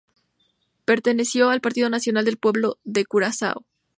Perteneció al Partido Nacional del Pueblo de Curazao.